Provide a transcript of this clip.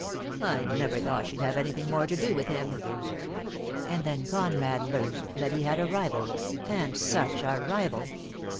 I never thought she'd have any thing more to do with him." And then Conrad learnt that he had a rival, and such a rival